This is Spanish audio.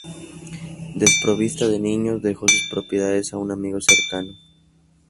Desprovista de niños, dejó sus propiedades a un amigo cercano.